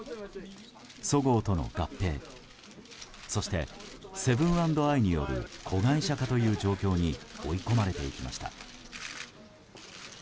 そごうとの合併そして、セブン＆アイによる子会社化という状況に追い込まれていきました。